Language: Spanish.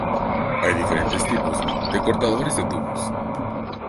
Hay diferentes tipos de cortadores de tubos.